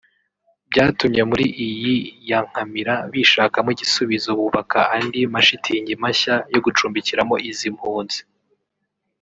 byatumye muri iyi ya Nkamira bishakamo igisubizo bubaka andi mashitingi mashya yo gucumbikiramo izi mpunzi